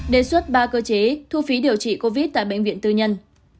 đề xuất ba cơ chế thu phí điều trị covid tại bệnh viện tư nhân